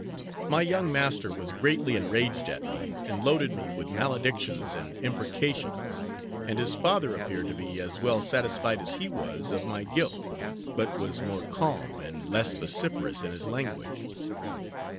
My young master was greatly enraged against me, and loaded me with maledictions and imprecations; and his father appeared to be as well satisfied as he was of my guilt, but was more calm, and less vociferous in his language.